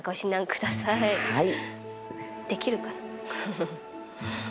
できるかな？